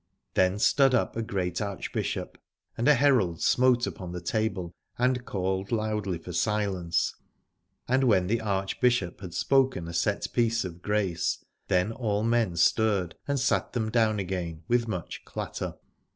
Then stood up a great Archbishop, and a herald smote upon the table and called loudly for silence : and when the Archbishop had spoken a set piece of grace, then all men stirred and sat them down again with much 83 Aladore clatter.